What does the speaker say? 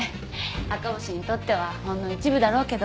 赤星にとってはほんの一部だろうけど。